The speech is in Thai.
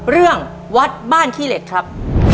เรื่องวัดบ้านขี้เหล็กครับ